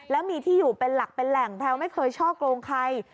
แล้วมีที่อยู่เป็นหลักเป็นแหล่งแพลวไม่เคยช่อกงใคร